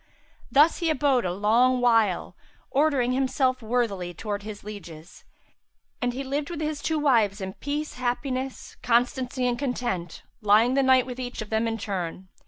Thus he abode a long while, ordering himself worthily towards his lieges; and he lived with his two wives in peace, happiness, constancy and content, lying the night with each of them in turn.